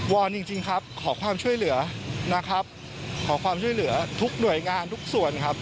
อนจริงจริงครับขอความช่วยเหลือนะครับขอความช่วยเหลือทุกหน่วยงานทุกส่วนครับ